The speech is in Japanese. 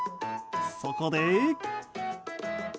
そこで。